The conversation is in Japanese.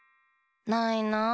ないなあ。